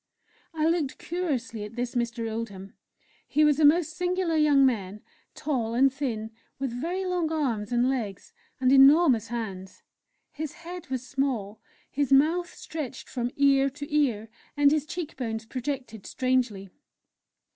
I looked curiously at this Mr. Oldham; he was a most singular young man tall and thin, with very long arms and legs, and enormous hands. His head was small, his mouth stretched from ear to ear, and his cheek bones projected strangely.